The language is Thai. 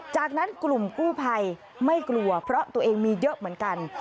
จากนั้นกลุ่มกู้ภัยไม่กลัวเพราะตัวเองมีเยอะเหมือนกัน